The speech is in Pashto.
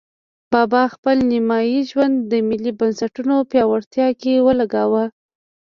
بابا خپل نیمایي ژوند د ملي بنسټونو پیاوړتیا کې ولګاوه.